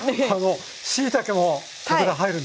しいたけもここで入るんですね。